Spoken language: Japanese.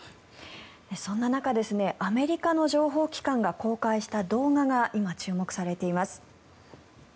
そんな中アメリカの情報機関が公開した動画が今、注目されています。